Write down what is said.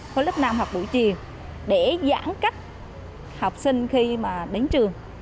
khối lớp năm là học buổi chiều để giãn cách học sinh khi mà đến trường